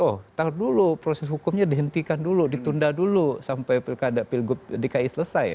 oh taruh dulu proses hukumnya dihentikan dulu ditunda dulu sampai pilkada pilgub dki selesai